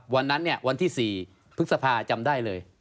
วันนั้นวันที่๔ภึกษภาจำได้เลย